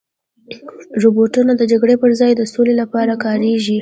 روبوټونه د جګړې په ځای د سولې لپاره کارېږي.